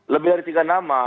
lebih dari tiga nama